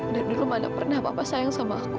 dari dulu mana pernah papa sayang sama aku